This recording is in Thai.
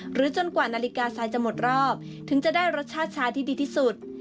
จนกว่านาฬิกาทรายจะหมดรอบถึงจะได้รสชาติชาที่ดีที่สุด